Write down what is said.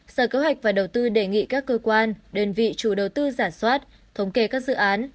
sở kế hoạch và đầu tư đề nghị các cơ quan đơn vị chủ đầu tư giả soát thống kê các dự án